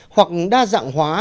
hoặc đa dạng hóa